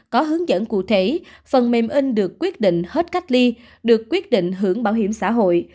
có hướng dẫn cụ thể phần mềm in được quyết định hết cách ly được quyết định hưởng bảo hiểm xã hội